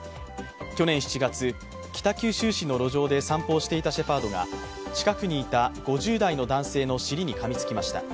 去年７月、北九州市の路上で散歩をしていたシェパードが近くにいた５０代の男性の尻にかみつきました。